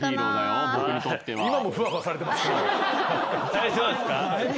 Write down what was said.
大丈夫ですか？